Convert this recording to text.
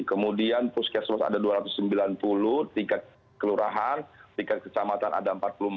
kemudian puskesmas ada dua ratus sembilan puluh tingkat kelurahan tingkat kecamatan ada empat puluh empat